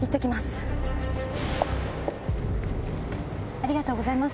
ありがとうございます。